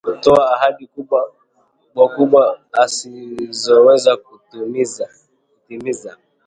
Hutoa ahadi kubwa kubwa asizoweza kutimiza